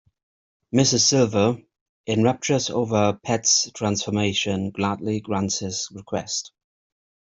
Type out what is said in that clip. Mrs Silver, in raptures over her pet's transformation, gladly grants his request.